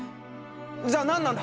じゃあ何なんだ？